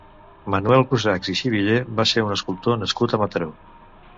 Manuel Cusachs i Xivillé va ser un escultor nascut a Mataró.